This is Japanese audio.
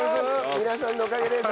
皆さんのおかげです。